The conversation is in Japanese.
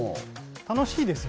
楽しいですよ。